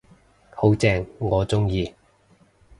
好正，我鍾意